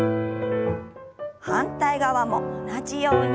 反対側も同じように。